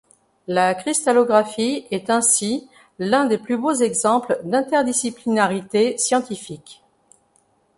La cristallographie est ainsi l’un des plus beaux exemples d’interdisciplinarité scientifique.